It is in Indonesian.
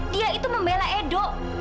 dia itu membela edo